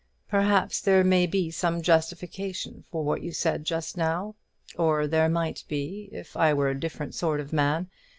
Perhaps there may be some justification for what you said just now, or there might be, if I were a different sort of man.